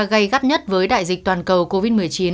gây gắt nhất với đại dịch toàn cầu covid một mươi chín